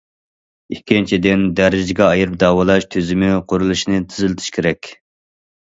ئىككىنچىدىن، دەرىجىگە ئايرىپ داۋالاش تۈزۈمى قۇرۇلۇشىنى تېزلىتىش كېرەك.